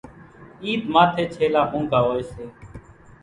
عيڌ ماٿيَ ڇيلا مونگھا هوئيَ سي۔